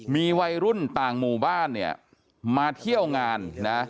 มีวัยรุ่นต่างหมู่บ้านมาเที่ยวงาน